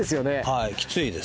はいきついです。